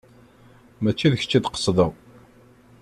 Mačči d kečč i d-qesdeɣ.